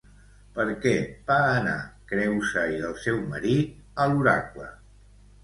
Per què va anar Creusa i el seu marit a l'oracle?